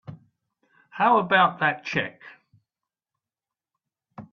How about that check?